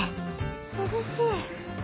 涼しい。